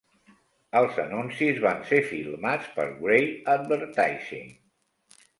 Els anuncis van ser filmats per Grey Advertising.